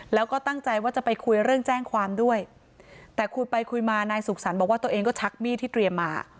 แล้วก็ตั้งใจว่าจะไปคุยเรื่องแจ้งความด้วยแต่คุยไปคุยมานายสุขสรรค์บอกว่าตัวเองก็ชักมีดที่เตรียมมา